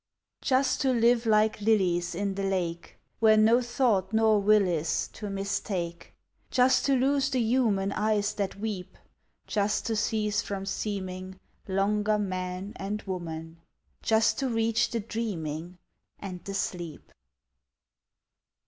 Just to live like lilies In the lake! Where no thought nor will is, To mistake! Just to lose the human Eyes that weep! Just to cease from seeming Longer man and woman! Just to reach the dreaming And the sleep!